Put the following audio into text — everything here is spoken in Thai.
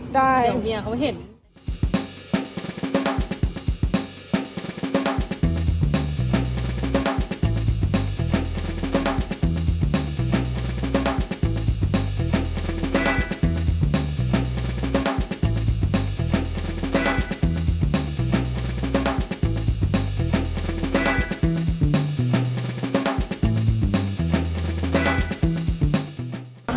ได้เมียเขาเห็น